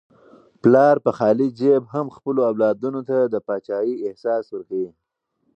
پلار په خالي جیب هم خپلو اولادونو ته د پاچاهۍ احساس ورکوي.